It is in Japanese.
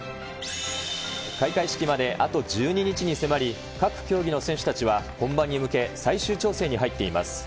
開会式まであと１２日に迫り、各競技の選手たちは、本番に向け、最終調整に入っています。